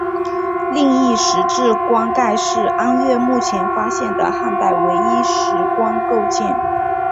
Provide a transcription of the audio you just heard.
另一石质棺盖是安岳目前发现的汉代唯一石棺构件。